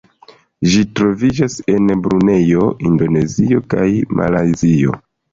Ĝi troviĝas en Brunejo, Indonezio kaj Malajzio.